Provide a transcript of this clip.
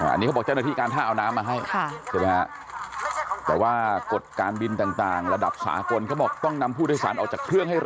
อันนี้เขาบอกเจ้าหน้าที่การท่าเอาน้ำมาให้